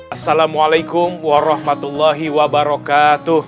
assalamualaikum warahmatullahi wabarakatuh